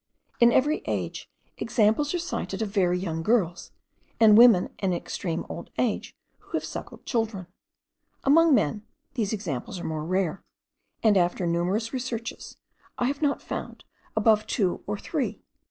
In every age examples are cited of very young girls and women in extreme old age, who have suckled children. Among men these examples are more rare; and after numerous researches, I have not found above two or three.